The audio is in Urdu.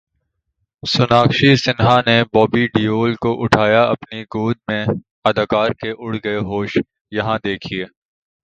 سوناکشی سنہا نے بابی دیول کو اٹھایا اپنی گود میں اداکار کے اڑ گئے ہوش، یہاں دیکھئے